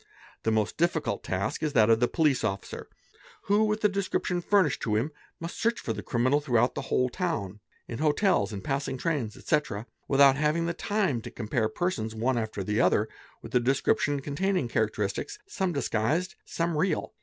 © The most difficult task is that of the police officer who with the deserip tion furnished to him must search for the criminal throughout the whole town, in hotels, in passing trains, etc., without having the time to compare persons, one after the other, with a description containing characteristics, | some disguised, some real.